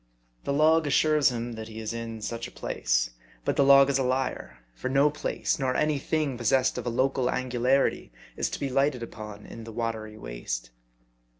The log assures him that he is in such a place ; but the M A R D I. 21 log is a liar ; for no place, nor any thing possessed of a local angularity, is to be lighted upon in the watery waste.